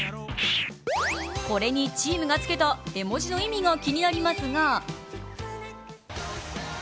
これにチームがつけた絵文字の意味が気になりますが。